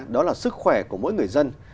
đó là sức khỏe của mỗi người dân